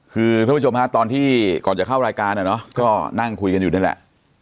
คือพี่ผู้ชมฮะตอนที่ก่อนจะเข้ารายการเนี้ยเนอะขั้นนั่งคุยกันอยู่ด้วยแหละ